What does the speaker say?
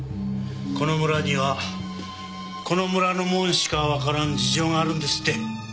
この村にはこの村の者にしかわからん事情があるんですって。